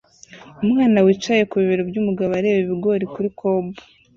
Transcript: umwana wicaye ku bibero byumugabo areba ibigori kuri cob